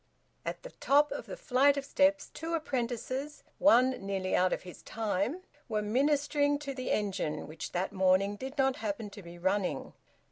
At the top of the flight of steps two apprentices, one nearly `out of his time,' were ministering to the engine, which that morning did not happen to be running.